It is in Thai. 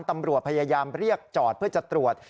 ตำรวจพยายามเรียกจอดเพื่อจะตรวจ